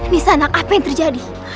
di sana apa yang terjadi